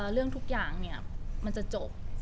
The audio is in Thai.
เรื่องทุกอย่างมันจะจบ